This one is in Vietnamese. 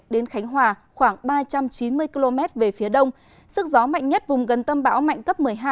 đến khánh hòa khoảng ba trăm chín mươi km về phía đông sức gió mạnh nhất vùng gần tâm bão mạnh cấp một mươi hai